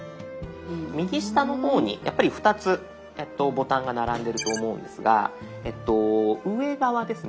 右下の方にやっぱり２つボタンが並んでると思うんですがえっと上側ですね。